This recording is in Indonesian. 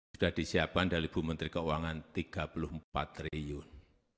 sudah disiapkan dari bu menteri keuangan rp tiga puluh empat triliun